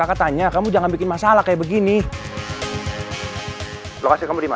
apalagi kamu sudah pasang bantuan